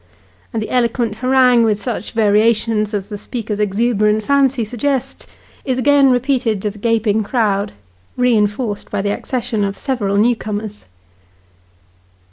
and the eloquent harangue, with such variations as the speaker's exuberant fancy suggests, is again repeated to the gaping crowd, reinforced by the accession of several new comers.